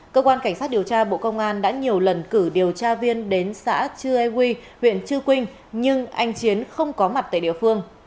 cơ quan cảnh sát điều tra bộ công an đã nhiều lần cử điều tra viên đến xã chư e huy huyện chư quynh nhưng anh chiến không có mặt tại địa phương